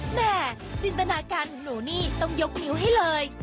แม่จินตนาการของหนูนี่ต้องยกนิ้วให้เลย